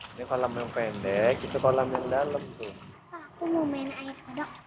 ini kolam yang pendek itu kolam yang dalam tuh aku mau main aja